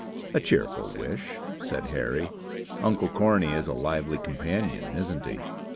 "A cheerful wish," said Harry. "Uncle Cornie is a lively companion isn't he?